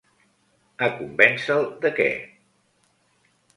A convènce'l de què?